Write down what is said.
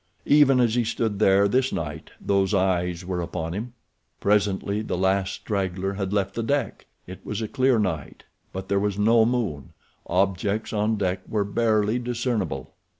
Even as he stood there this night those eyes were on him. Presently the last straggler had left the deck. It was a clear night, but there was no moon—objects on deck were barely discernible.